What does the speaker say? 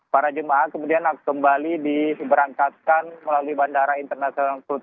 para jemaah kemudian kembali diberangkatkan melalui bandara internasional